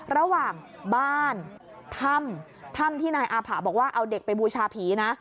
ระหว่างบ้านถ้ำถ้ำที่นายอาผะบอกว่าเอาเด็กไปบูชาผีนะ